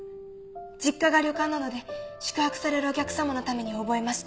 実家が旅館なので宿泊されるお客さまのために覚えました。